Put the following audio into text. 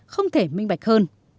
không thể minh bạch hơn